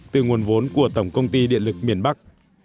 từ nguồn vốn của tổng công ty điện lực miền bắc